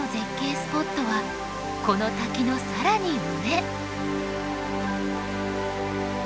スポットはこの滝の更に上。